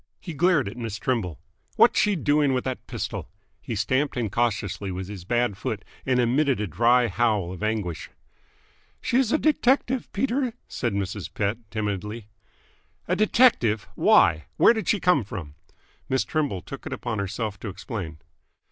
He glared at Miss Trimble. "What's she doing with that pistol?" He stamped incautiously with his bad foot, and emitted a dry howl of anguish. "She is a detective, Peter," said Mrs. Pett timidly. "A detective? Why? Where did she come from?" Miss Trimble took it upon herself to explain.